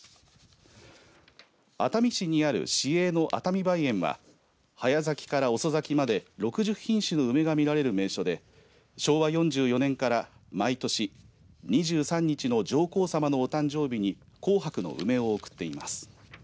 熱海市にある市営の熱海梅園は早咲きから遅咲きまで６０品種の梅が見られる名所で昭和４４年から毎年２３日の上皇さまのお誕生日に紅白の梅を贈っています。